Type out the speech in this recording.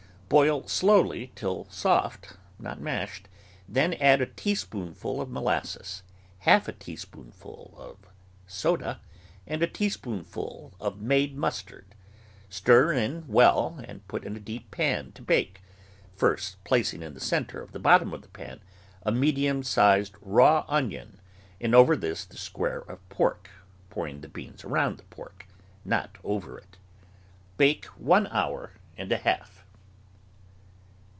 Boil slowly till soft (not mashed), then add a tablespoonful of molasses, half a teaspoonful of soda, and a teaspoonful of made mustard; stir in w^ell and put in a deep pan to bake, first placing in the centre of the bottom of the pan a medium sized raw onion and over this the square of pork, pouring the beans around the pork, not over it. Bake one hour and a half.